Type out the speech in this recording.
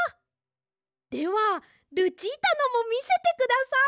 ではルチータのもみせてください。